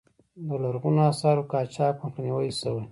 د لرغونو آثارو قاچاق مخنیوی شوی؟